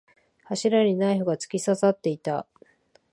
柱にナイフが突き刺さっていた。